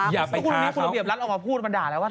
เหลือขุนอเวียบรัฐออกมาพูดแล้วก็ด่าว่า